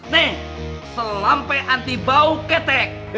nih sampai anti bau ketek